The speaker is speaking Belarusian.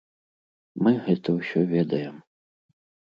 Мы гэта ўсё ведаем.